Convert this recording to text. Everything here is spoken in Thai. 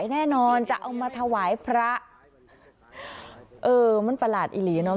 แน่นอนจะเอามาถวายพระเออมันประหลาดอีหลีเนอ